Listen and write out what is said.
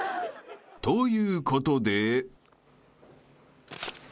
［ということで］